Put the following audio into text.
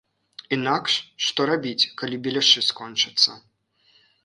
Інакш, што рабіць, калі беляшы скончацца?